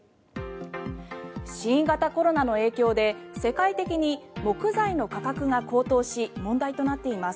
新型コロナの影響で世界的に木材の価格が高騰し問題となっています。